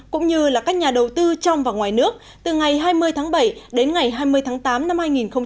cũng như là các nhà đầu tư trong và ngoài nước từ ngày hai mươi tháng bảy đến ngày hai mươi tháng tám năm hai nghìn một mươi chín